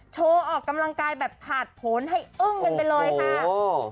ออกกำลังกายแบบผ่านผลให้อึ้งกันไปเลยค่ะ